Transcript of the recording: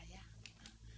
ini pak suami saya